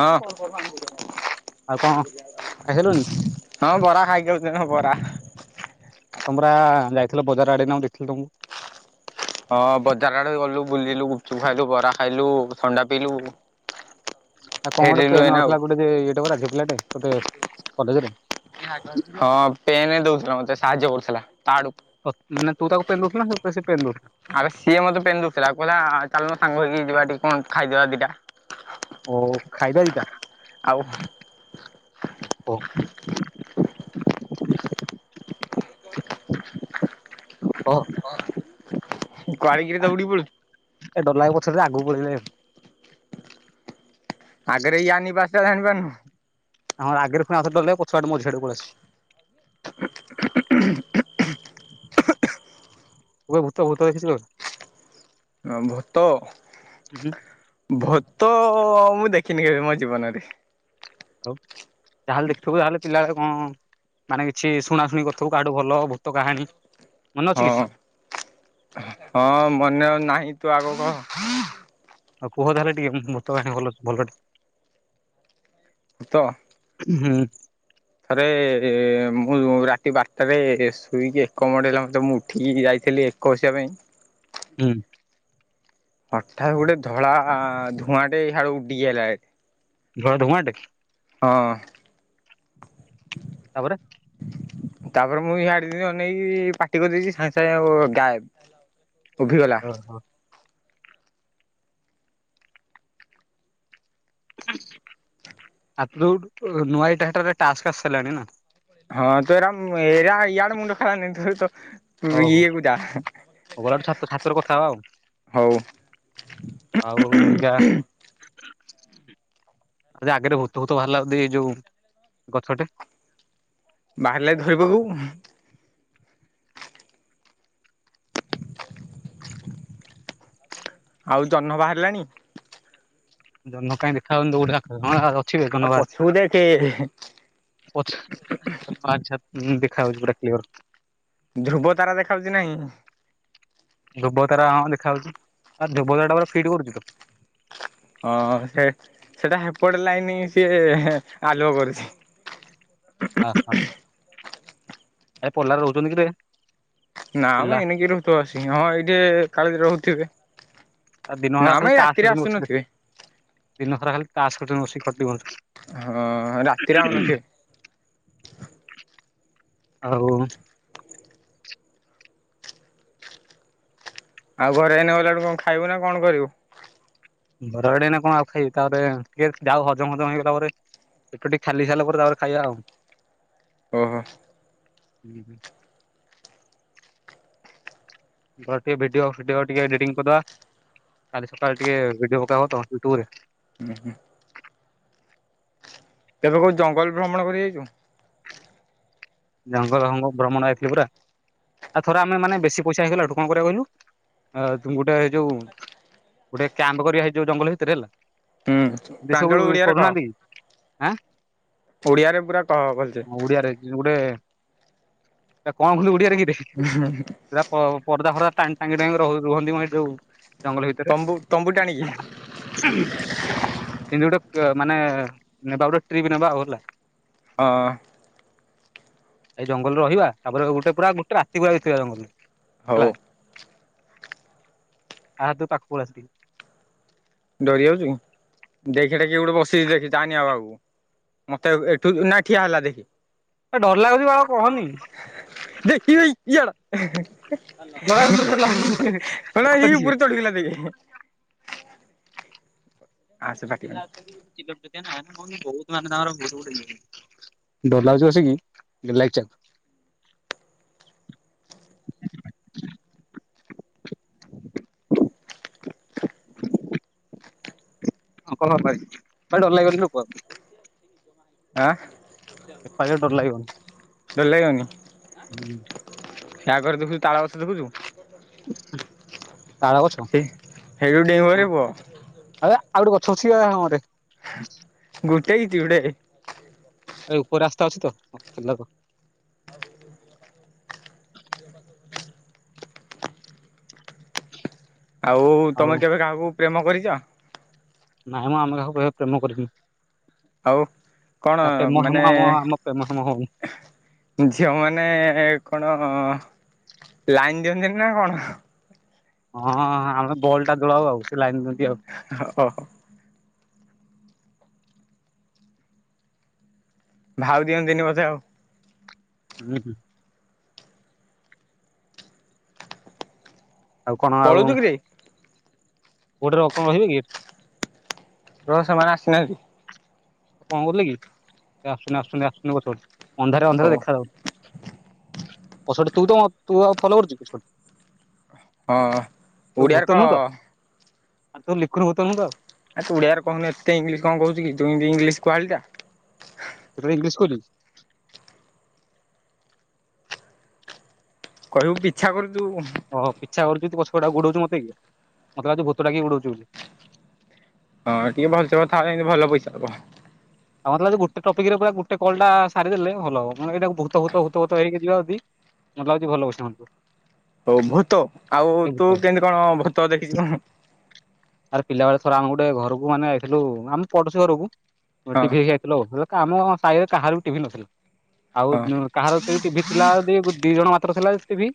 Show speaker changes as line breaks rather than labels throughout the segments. ହଁ
ଆଉ କଣ ଖାଇସାରିଲୁଣି?
ହଁ ବରା ଖାଇକି ଆଉଛନ୍ତି ବରା।
ଆଉ ତମର ଯାଇଥିଲ ବଜାର ଆଡି ନଁ ଦେଇଥିଲ ତମକୁ।
ହଁ ବଜାର ଆଡେ ଗଲୁ ବୁଲିଲୁ, ଗୁପଚୁପ ଖାଇଲୁ, ବରା ଖାଇଲୁ, ଥଣ୍ଡା ପିଇଲୁ
ଆଉ କଣ ଗୋଟେ
ଫେରିଲୁ
ପେନ୍
ଏଇନା ଆଉ
ହଉଥିଲା ଗୋଟେ ୟେ ପରା ଝିଅ ପିଲାଟେ ଗୋଟେ କଲେଜରେ?
ହଁ ପେନ ଦଉଥିଲା ମତେ ସାହାଯ୍ୟ କରୁଥିଲା ତତା ଆଡୁ।
ମନେ ତୁ ତାକୁ ପେନ୍ ଦେଉଥିଲୁ ନା ସେ ତତେ ପେନ୍ ଦଉଥିଲା?
ଆରେ ସିଏ ମତେ ପେନ ଦଉଥିଲା, କହିଲା ଚାଲୁନ ସାଙ୍ଗ ହେଇକି ଯିବା ଟିକେ କଣ ଖାଇଦବା ଦିଟା।
ଓ ଖାଇବା ଦି ଟା?
ଆଉ।
ହଉ। ହଁ
କୁଆଡ଼େ କି ରେ ଦୌଡ଼ି ପଳଉଛୁ?
[unintelligible] ପଛରେ ଆଗକୁ ପଳେଇଲେ ଏବେ।
ଆଗରେ ୟା ନିିବାସ ଟା ଜାଣିପାରୁନୁ?
ଆଁ ଆଗରେ ପୁଣି ଆଉଥରେ ଟଳି ଦେବେ ପଛ ଆଡେ ମଝି ଆଡେ ପଳେଇଆସିବ। ଇ ଭୁତ ଫୁତ ଦେଖିଥିଲ କି?
ଭୂତ
କି୍
ଭତ ମୁଁ ଦେଖିନି କେିବି ମୋ ଜୀବନରେ।
ହଉ ଯାହାହେଲେ ଦେଖଥିବୁ ଯାହାହେଲେ ପିଲାବେଳେ କଣ? ମାନେ କିଛି ଶୁଣା ଶୁଣି କରିଥିବୁ କାହାଠୁ ଭଲ ଭୂତ କାହାଣ।
ହଁ ହଁ ମନେ ନାହିଁ। ତୁ ଆଗ କହ?
ଆଉ କୁହ ତାହହେଲେ ଟିକେ, ଭୁତ କାହାଣି ଭଲ ଟେ।
ଭୁତ।
ହଁ
ଥରେ ମୁଁ ରାତି ବାରଟାରେ ଶୋଇକି, ଏକ ମଡ଼େଇଲା ହେଲା ମୋତେ ମୁଁ ଉଠିକି ଯାଇଥିଲି ଏକ ବସିବା ପାଇଁ
ହୁଁ।
ହଠାତ୍ ଗୋଟେ ଧଳା ଧୂଆଁ ସିଆଡୁ ଉଡ଼ିକି ଆଇଲା ଏଠି।
ଘ ଧୁଆଁ ଟା କି?
ହଁ।
ତାପରେ?
ତାପରେ ମୁଁ ଆଡେ ଟିକେ ଅନେଇକି ପାଟି କରିଦେଇଛି ସାଙ୍ଗେ ସାଙ୍ଗେ ଆଉ ଗାଏବ ଉଭିଗଲା।
ଓହୋ ଆଦୌ ନୂଆ ଏଇଟା ଟାରେ ଟାସ୍କ ଆସି ସାରିଲାଣି ନା
ହଁ ତୁ ଏରା ମୁ ଏରା ୟଆଡ ମୁଣ୍ଡ ଖେଳାନି ତୁ ତ
ଓହୋ
ଇଏ କୁ ଯା
ଗଲାଠୁ ଛାତ ଛାତରେ କଥା ହେବା ଆଉ
ହଉ
ଆଉ [unintelligible] ଯଦି ଆଗରେ ଭୁତ ଫୁତ ବାହାରିଲା ବୋଧେ ଏଇ ଯୋଉ ଗଛଟେ
ବାହାରିଲେି ଧରିପକେଇବୁ। ଆଉ ଜହ୍ନ ବାହାରିଲାଣି?
ଜନ୍ନ କାଇଁ ଦେଖାଯାଉନି ତ ଉଡା କଣ ଆଉ- ଠିକ ଅ ଧନ୍ୟବାଦ
ପଛକୁ ଦେଖେ
ପଛ ଅଚ୍ଛା [unintelligible] ହଁ ଦେଖାଯାଉଛି ପୁରା କ୍ଲିୟର।
ଧ୍ରୁବ ତାରା ଦେଖାଯାଉଛି ନାହିଁ?
ଧ୍ରୁବତାରା ହଁ ଦେଖା ଯାଉଛି, ଆଉ ଧ୍ରୁବ ତାର ଟା ପୁର ଫିଟ୍ କରୁଛି ତ
ହଁ ସେ ସେଟା ହେପଟ ଲାଇନି ସିଏ ଆଲୁଅ କରୁଛି।
ହ ହ ଏ ପଲାରେ ରହୁଛନ୍ତି କିରେ
ନା ମୁ
ପିଲା
ଏ ନେଇକି ରହୁଥିବ ସିଂହ ଏଇଠି ଖାଲି ରହୁଥିବେ।
ଆ ଦିନ ଖରା
ନା ମ ଏଇ ରାତିରେ
ଖାଲି ବ
ଆସୁନଥିବେ।
ଦିନ ଖରା ଖାଲି ତା ସ ବସି ଖଟି। [unintelligible]
ହଁ ରାତିରେ ଆଉନଥିବେ।
ହଉ।
ଆଉ ଘରେ ଏଇନେ ଗଲାଠୁ ଖାଇବୁ ନା କଣ କରିବ
ବରଡେ ନା କଣ ଆଉ ଖାଇ ତାପରେ ଟିକେ ଯାହା ହଜମ ହଜମ ହେଇଗଲା ପରେ ପେଟ ଖାଲି ସାରିଲା ପରେ ତାପରେ ଖାଇବା ଆଉ
ଓହୋ।
ହୁଁ ହୁଁ [inaudible] ଧର ଟିକେ ଭିଡିଓିଡିଓ ଟିକେ ଏଡିଟିଂ କରିଦବା କାଲି ସକାଳେ ଟିକେ ଭିଡିଓ ପକେଇବ ତ ୟୁଟୁବ ରେ
ହୁଁ ହୁଁ। ତେବେ କୋଉ ଜଙ୍ଗଲ ଭ୍ରମଣ କରି ଯାଇଛୁ।
ଜଙ୍ଗଲ ଭ୍ରମଣ ହେଇଥିଲି ପୁରା। ଆଉ ଥର ଆମେ ମାନେ ବେଶୀ ପଇସା ହେଇଗଲା ଟୁ କରିବା କହିଲୁ ଗୋଟେ ଏଇ ଯୋଉ ଗୋଟେ କ୍ୟାମ୍ପ କରିବା ହେଇ ଯୋଉ ଜଙ୍ଗଲ ଭିତରେ ହେଲା
ହୁଁ
ଏମତି
ପ୍ରାଞ୍ଜଳ
ସବୁ
ଓଡିଆରେ କହ
କରୁନାହାନ୍ତି। ଆ?
ଓଡିଆରେ ପୁରା କହ ଭଲସେ।
ଗୋଟେ ତା କଣ କହନ୍ତି ଓଡିଆରେ କେରେ
ହୁ।
ସେଇଟ ପର୍ଦା ଫର୍ଦା ଟାଙ୍ଗି ଟାଙ୍ଗି ରୁହନ୍ତି ଏଯୋଉ ଜଙ୍ଗଲ ଭିତରେ
ତମ୍ବୁ ତମ୍ବୁ ଟାଣିକି
ସେମିତି ଗୋଟେ ମାନେ ନେବା ଗୋଟେ ଟ୍ରିପ୍ ନେବା ଆଉ ହେଲା।
ହଁ।
ଏଇ ଜଙ୍ଗଲରେ ରହିବା ତାପରେ ଗୋଟେ ପୁରା ଗୋଟେ ରାତି ପୁରା ବିତେଇବା ଜଙ୍ଗଲରେ
ହଉ
ହେଲା ଆ ତୁ ପାଖକୁ ଆସେ
ଡରି ଯାଉଛୁ କି ଦେଖ କିଏ ଗୋଟେ ବସେଇଛି ଦେଖି ଜାନି ଆଉ ଆଗକୁ ମତେ ଏଠୁ ନା ଠିଆ ହେଲା ଦେଖ।
ଡର ଲାଗୁଛି ଆଉ କହନି
ଦେଖିବ ଭାଇ କି ଜାଡା
ଡର ଲାଗୁଛି
କଣ ଏଇ ଉପରେ ଚଢଗଲା ଦେଖ।
ଡର
[unintelligible] ଆସେ ପାଟି କରନି
ବହୁତ ମାନେ ତାଙ୍କର ଭ [unintelligible] ଡର ଲାଗୁଛି ବସି କି ଗେଲ ଲାଗିଛି ହ କହ ଭାଇ ଭାଇ ଡର ଲାଗିବନି କହ
ଆଁ
ଏପାଳି ଡର ଲାଗିବନି
ଡର ଲାଗିବନି ତା ଘରେ ଦେଖୁଛୁ ତାଳ ଗଛ ଦେଖୁଛୁ
ତାରା ଓଛ
ସେ ହେଡୁ ଡେଇଁବରେ ପୁଅ
ଆ ଆଉ ଗୋଟେ ଗଛଛିିବା ହଁରେ
ଗୋଟେ ହେଇଛି ଗୋଟେ
ଏ ଉପର ରାସ୍ତା ଅଛି ତ ିଲକ
ହଉ ଆଉ ତମେ କେବେ କାହାକୁ ପ୍ରେମ କରିଛ?
ନାଇଁ ମୁଁ ଆମ କାକୁ କହିବା ପ୍ରେମ କରିିବି।
ଆଉ କଣ
ପ୍ରେମ ହେମ
ମାନେ
ଆମ ଆମ ପ୍ରେମ ହେମ ହଉନି
ଝିଅମାନେ କଣ ଲାଇନ ଦିଅନ୍ତିନି ନା କଣ।
ହଁଁ ଆମେ ବଲ୍ ଟା ଦୋଳାଉ ଆଉ ସେ ଲାଇନ୍ ଦତି ଆଉ।
ଓହୋ। ଭାଉ ଦିଅନ୍ତିନି କଥାେ ଆଉ।
ହୁଁ ହୁଁ। ଆଉ କଣ ଆଉ
ପଳଉଛୁ କିରେ
ଗୋଟେ ର କଣ ରହିବେ କି?
ର ସେମାନେ ଆସିନାହାନ୍ତି।
କଣ କରୁଥିଲ କି ଆସୁନି ଆସୁ ଆସୁନି ପ ଅନ୍ଧାର ଅନ୍ଧାରେ
ହଉ
ଦେଖା ଯାଉନି। ପଷ ତୁ ତ ତୁ ଆଉ ଭଲ କରୁଛୁ ପଛ।
ହଁ।
ତୁ
ଓଡ଼ିଆରେ
ଭୂତ
କହ
ନୁହଁ ତ ଆ ତୁ [unintelligible] ଭୂତ ନୁହଁ ତ।
ଆ ତୁ ଓଡିଆରେ କହୁନୁ ଏତେ ଇଂଲିଶ କଣ କହୁଛୁ କି ତୁ ଇନ୍ଦି ଇଂଲିଶ କୁହାଳି ଟା।
[inaudible]
କହିବୁ ପିଛା କରୁଚୁ।
ଓଁ ପିଛା କରୁଛୁ ତୁ ପଛ ପଟେ ଆଉ ଗୁଡଉଚୁ ମତେ କି ମତେ ଲାଗୁଛି ଭୂତଟା କିଏ ଗୁଡଉଚି ବୁଲି।
ହଁ ଟିକେ ଭଲସ କଥା ହେଲେ ଇନ୍ଦି ଭଲ ପଇସା ଦବ।
ଆଉ ମତେ ଲାଗୁଚି ଗୋଟ ଟପିକ ରେ ପୁରା ଗୋଟେ କଲ ଟା ସାରି ଦେଲେ ଭଲ ହବ [unintelligible] ବହୁତ ଭୁତ ଭୁତ ଭୁତ ହେଇକି ଯିବା ଯଦି ମତେ ଲାଗୁଚି ଭଲ ପଇସା ମିଳୁଥିବ।
ହଉ ଭୂତ ଆଉ ତୁ କେମିତି କଣ ଭୂତ ଦେଖିଛୁ
ଆରେ ପିଲା ବେଳେ ଥରେ ଆମେ ଗୋଟେ ଘରକୁ ମାନେ ଆଇଥିଲୁ ଆମେ ପଢୁଶୀ ଘରକୁ ଟିଭି
ହଁ
ଆମ ସାହିରେ କାହାର ବି ଟିଭି ନଥିଲା ଆଉ କାହାର ସେଇ ଟିଭି ଥିଲା ଦି ଦି ଜଣ ମାତ୍ର ଥିଲା ଟିଭି।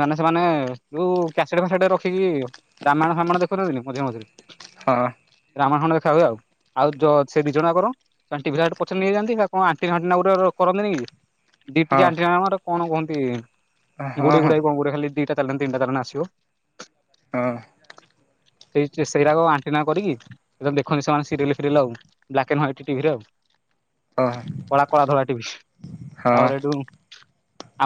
ମାନେ ସେମାନେ ଯୋଉ କ୍ୟାସେଟ ଫ୍ୟାସେଟ ରଖିକି ରାମାୟଣ ଫାମଣ ଦେଖ କରଦିନି ମଝରେ ମଝିରେ।
ହଁ।
ରାମୟଣ ଖଣ୍ଡେ ଦେଖାହୁଏ ଆଉ। ଆଉ ଯ ସେ ଦିଜଣ ଆମର [unintelligible] ପଛରେ ନେଇଯାଆନ୍ତି ବା କଣ ଆଣ୍ଟିନା ଫାଣ୍ଟିନା ଗୋଟେ କରନ୍ତିନ କି। ଦି
ହଁ।
ଟିକେଆ ଆଣ୍ଟିନା କଣ କୁହନ୍ତି
ହଁ
ଗୁଡେଇ
ହଁ
ଗୁଡେଇ କଣ ଗୁରେ ଖାଲି ଦିଟା [unintelligible] ଆସିବ
ହଁ।
ସେଇ ସେଇରାକ ଆଣ୍ଟିନା କରିକି। ଦେଖନ୍ତି ସେମାନେ ସରିଏଲେ ଫିରିଏଲ୍ ଆଉ ବ୍ଲାକ୍ ଆଣ୍ଡ ହ୍ୱାଇଟ୍ ଟିଭିରେ ଆଉ।
ହଁ
କଳା କଳା ଧରା ଟିଭି
ହଁ
ତାପରେ ହେଠୁ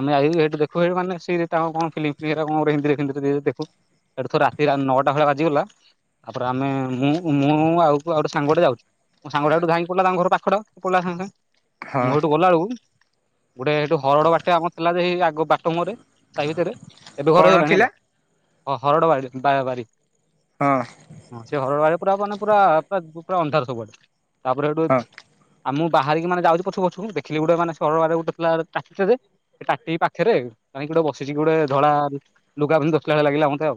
ଆମେ ଆଇ ଲେଟ ଦେଖୁ ଏଇ ମାନେ ସେ ତାଙ୍କର କଣ ଫିଲିମି ଇଏରା କଣ ଗୁରେ ହିନ୍ଦୀରେ [unintelligible] ଦେଖୁ। ହେଠୁ ତ ରାତି ହେଲାନେ ନ ଟା ଭଳିଆ ବାଜିଗଲା ତାପରେ ଆମେ ମୁଁ ମୁଁ ଆଉ ପୁ ଆଉ ଗୋଟେ ସାଙ୍ଗଟେ ଯାଉଛୁ। ମୋ ସାଙ୍ଗଟା ହେଠୁ ଧାଇଁ ପଡିଲା ତାଙ୍କ ଘର ପାଖ ଟ ପଳେଲା ସାଙ୍ଗେ ସାଙ୍ଗେ
ହଁ
ମୁଁ ହେତୁ ଗଲା ବେଳକୁ ଗୋଟେ ହେଠୁ ହରଡ ବାଟେ ଆମର ଥିଲା ଯେ ହେଇ ଆଗ ବାଟ ମୁଁହରେ। ସାଇ ଭିତିରେ ଏବେ ଘର
କଣ
ହେଇଗଲାଣି
ଥିଲା?
ହେଲା ହରଡ ବାର ବା -ବାରି
ହଁ।
ହଁ ସେ ହରଡ଼ ବାଡିରେ ପୁରା ହବ ମାନେ ପୁରା ପୁରା ଅନ୍ଧାର ସବୁଆଡେ ତାପରେ ହେଠୁ
ହଁ
ଆମୁ ବାହାରିକି ମାନେ ଯାଉଛି ପଛୁ ପଛୁ ଦେଖିଲି ଗୋଟେ ମାନେ ସରଡ଼ ବାଡ଼ିରେ ଗୋଟ ଥିଲା [unintelligible] ସେ ତାଟି ପାଖରେ କାଇଁ ଗୋଟେ ବସିଛିି ଗୋଟେ ଧଳା ଲୁଗା ପିନ୍ଧି ବଶିଲା ଭଳିଆ ଲାଗିଲା ମତେ ଆଉ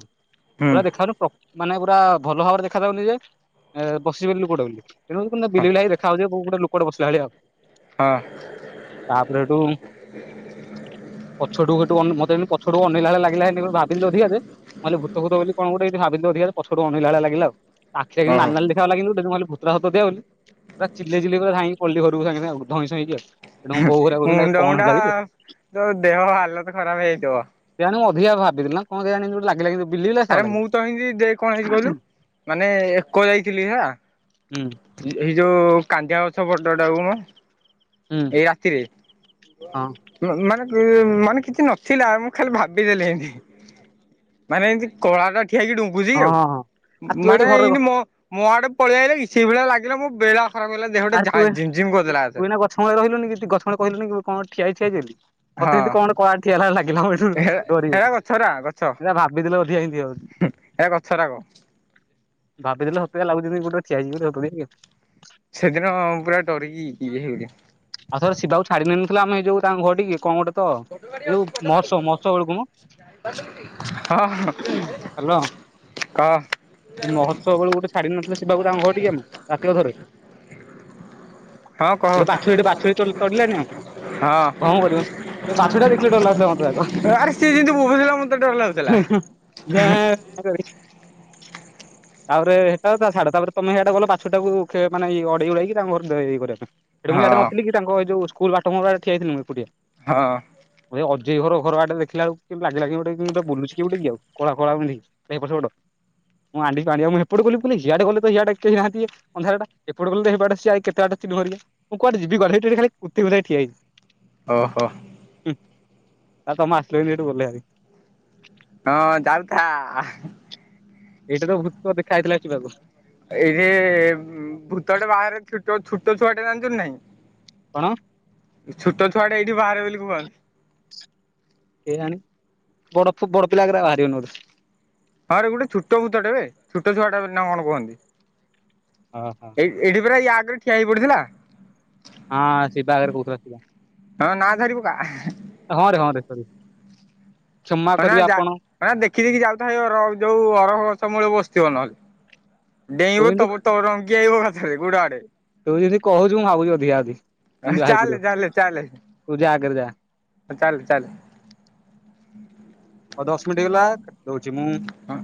ହୁଁ
ପୁରା ଦେଖାଯାଉନି ପ ମାନେ ପୁରା ଭଲ ଭାବରେ ଦେଖାଯାଉନି ଯେ ଏଁ ବସି ବୋଲି ଲୋକ ଟେ ବୋଲି। [unintelligible]
ହଁ
ବିଲବିଲିଆ ହେଇ ଦେଖାଯାଉଛି ଗୋଟେ ଲୋକଟେ ବସିଲା ଭଳିଆ ଆଉ।
ହଁ।
ତାପରେ ହେଠୁ। ପଛଠୁ ହେଠୁ ଅନ ମତେ ଯେମତି ପଛଠୁ ଅନେଇଲା ଭଳିଆ ଲାଗିଲା ହିନ୍ଦି ଭାବିଲି ଯଉ ଅଧିକା ଯେ ମୁଁ କହିଲି ଭୂତ ଫୁତ ବୋଲି କଣ ଗୋଟେ ଇନ୍ଦି ଭାବିଲି ଅଧିକା ଯେ ପଛଢୁ ଅନେଇଲା ଭଳିଆ ଲାଗିଲା ଆଉ ତା ଆଖି ଯେମିତି
ଓହୋ
ନାଲି ନାଲି [unintelligible] ବୋଲି ପୁରା ଚିଲେଇ ଚିଲେଇ ପୁରା ଧାଁଇକି ପଳେଇଲି ଘରକୁ ସାଙ୍ଗେ ଆଉ ଧଇଁସଇଁ ହେଇକି ଆଉ। ସେଠୁ ମୋ ବୋଉ ହେରିକା କହୁଛନ୍ତି ଆରେ
ମୁଣ୍ଡ
କଣ
ମୁଣ୍ଡା
ହେଲା କିରେ
ତୋ ଦେହ ହାଲତ ଖରାପ ହେଇଯାଇଥିବ।
କେଜାଣି ମୁଁ ଅଧିକା ଭାବିଦେଲି ନା କଣ କେଜାଣି ଏମିତି ଗୋଟେ ଲାଗିଲା କି
ଆରେ ମୁଁ ତ ଏମତି ଦେ କଣ ହେଇଛି କହିଲୁ ମାନେ ଏକ ଯାଇଥିଲି ହେଲା।
ହୁଁ
ଏଇ ଯୋଉ କାନ୍ଦିଆ ଗଛ ବଡଟାକୁ ମ
ହୁଁ।
ଏଇ ରାତିରେ
ହଁ
ମାନେ ମାନେ କିଛି ନଥିଲା ମୁଁ ଖାଲି ଭାବ ଭାବି ଦେଲି ଏମିତି ମାନେ ଏମିତି କଳାଟା ଠିଆ ହେଇକି ଡୁଙ୍କୁୁଚି
ହଁ
କି ଆଉ
ହଁ ହଁ। ଆଉ ତୁ ଏଇଠି
ମାନେ
ଘରେ
ଏଇନେ ମୋ ମୋ ଆଡେ ପଳେଇ ଆଇଲା କି ସେଇ ଭଳି ଲାଗିଲା ମୋ ବେଳା ଖରାପ ହେଲା
ଆରେ ତୁ
ଦେହଟାଝାଇଁ ଝିମ୍ ଝିମ୍ କରିଦେଲା
ତୁ
ଏକାଥରେ।
ଏଇନା ଗଛମୂଳେ ରହିଲୁନି କି, ଗଛମୂଳେ କହିଲୁନି କଣ ଠିଆ ହେଇଚି ଠିଆ ହେଇଚି ବେଲି।
ହଁ
ମତେ ଏନ୍ତି କଣ ଗୋଟେ କଳାର ଠିଆ ହେଲା ଭଳିଆ ଲାଗିଲା,
ହେ
ଏଠୁ [unintelligible]
ହେରା ଗଛରା ଗଛ।
ଏଇଟା ଭାବିଦେଲେ ଅଧିକା [unintelligible]
ଏ ଗଛରାକ।
ଭାବିଦେଲେ ସତେ [unintelligible]
ସେଦିନ ପୁରା ଡରିକି ଇଏ ହେଇଗଲି।
ଆଉଥରେ ଶିବାକୁ ଛାଡି ନେଇନଥିଲେ ଆମେ ଏଇ ଯୋଉ ତାଙ୍କ ଘରଟିକି କଣ ଗୋଟେ ତ ଏଇ ଯୋଉ ମହୋତ୍ସବ-ମହୋତ୍ସବ ବେଳୁକୁ ମ।
ହଁ ହ କହ।
ଏ ମହୋତ୍ସବ ବେଳୁକୁ ଗୋଟେ ଛାଡି ନଥିଲେ ଶିବାକୁ ତାଙ୍କ ଘରଟିକି ଆମେ ରାତି ଅଧରେ।
ହଁ କହ।
ଗୋଟେ ବାଛୁରୀ [unintelligible]
ହଁ।
ଭଁ କରିବ। ଏ ବାଛୁରୀଟା ଦେଖିଲେ ଡର ଲାଗୁଥିଲା ମତେ ଆଗ।
ଆରେ ସିଏ ଯେମିତି ବୋବଉ ଥିଲା ମତେ ଡର ଲାଗୁଥିଲା।
[unintelligible] ତାପରେ ସେଟା ତ ଛଡ, ତାପରେ ତମେ ସେଇଟା ଗଲ ବାଛୁରୀଟାକୁ ମାନେ ଅଡେଇ ଉଡେଇକି ତାଙ୍କ ଘର ଇଏ କରିବା ପାଇଁ। ସେଠ ମୁଁ ଇଆଡେ
ହଁ
ନଥିଲି କି ତାଙ୍କ ଏଯୋଉ ସ୍କୁଲ୍ ବାଟ ମୁହଁ ପାଖେରେ ଠିଆହେଇଥିଲି ମୁଁ ଏକୁଟିଆ।
ହଁ।
ଏ ଅଜେଇ ଘର ଘରଆଡେ ଦେଖିଲା ବେଳକୁ କି ଲାଗିଲାକି କିଏ ଗୋଟେ ବୁଲୁଛି କିଏ ଗୋଟେ କି ଆଉ କଳା-କଳା ପିନ୍ଧିକି। [unintelligible] ଅନ୍ଧାର ଟା ଏପଟେ ଗଲେ ତ ସିଏ କେତେ ବାଟ [unintelligible] ମୁଁ କୁଆଡେ ଯିବି। [unintelligible]
ଓହୋ।
ହୁଁ ଆ ତମେ ଆସିଲ ବୋଲି ସେଠୁ ଗଲେହାରି।
ହଁ ଯାଉଥା ଆ।
ଏଇଟା ତ ଭୂତ ଦେଖା ହେଇଥିଲା ଶିବାକୁ।
ଏଇ ଯେ ଭୂତଟେ ବାହାରେ ଛୁଟ-ଛୁଟ ଛୁଆଟେ ଜାଣିଚ ନା ନାହିଁ।
କଣ?
ଛୁଟ ଛୁଆଟା ଏଇଠି ବାହାରେ ବୋଲି କହନ୍ତି।
କେଜାଣି ବଡ-ବଡ ପିଲାଗୁରା ବାହାରିବେନି ବୋଧେ।
ହଁରେ ଗୋଟେ ଛୁଟ ଭୂତଟେ ବେ, ଛୁଟ ଛୁଆଟା ବୋଲି ନା କଣ କୁହନ୍ତି।
ହଁ-ହଁ।
ଏଇ ଏଇଠି ପୁରା ୟା ଆଗେରେ ଠିଆ ହେଇ ପଡିଥିଲା।
ହଁ ଶିବା ଆଗରେ କହୁଥିଲା ଶିବା,
ହଁ ନା ଧରି ପକା
ହଁ ରେ ହଁରେ ସରି। କ୍ଷମା
ଅଇନା
କରିବେ
ଯା
ଆପଣ।
ଅଇନା ଦେଖିଦଖି ଯାଉଥା ଯୋଉ ଅରଖ ଗଛ ମୂଳେ ବସିଥିବ ନହେଲେ।
ତୁ
ଡେଇଁବ
କିନ୍ତୁ
ତବ-ତବ [unintelligible] ଏକାଥେରେ ଗୋଡ ଆଡେ।
ତୁ ଯେନ୍ତି କହୁଚୁ ମୁଁ ଭାବୁଚି ଅଧିକା-ଅଧିକା।
ଆହ୍ ଚାଲେ-ଚାଲେ-ଚାଲେ।
ଆଗରେ ଯା
ହଁ ଚାଲେ-ଚାଲେ।
ହଉ ଦଶ ମିନିଟ୍ ହେଇଗଲା କାଟି ଦଉଚି ମୁଁ।
ହଁ।